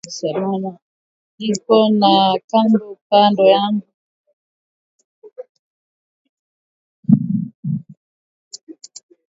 Niko na shamba yangu iliniachiaka kambo yangu